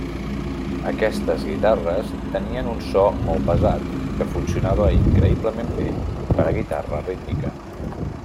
Aquestes guitarres tenien un so molt pesat, que funcionava increïblement bé per a guitarra rítmica.